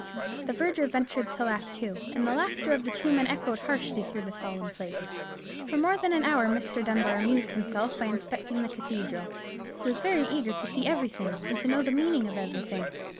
The verger ventured to laugh too: and the laughter of the two men echoed harshly through the solemn place. For more than an hour Mr. Dunbar amused himself by inspecting the cathedral. He was eager to see everything, and to know the meaning of everything.